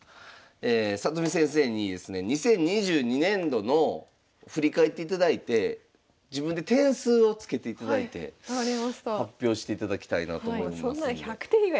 里見先生にですね２０２２年度の振り返っていただいて自分で点数を付けていただいて発表していただきたいなと思います。